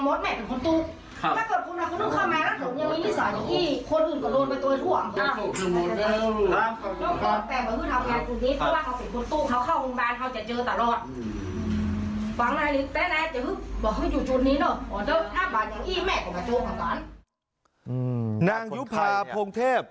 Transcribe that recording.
อืมนางยุพาพลเทพ